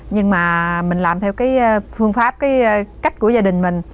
nhưng mà mình làm theo phương pháp cách của gia đình mình